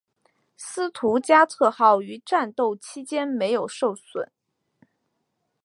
斯图加特号于战斗期间没有受损。